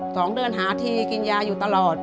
สองเดือนหาทีกินยาอยู่ตลอด